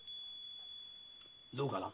どうかな？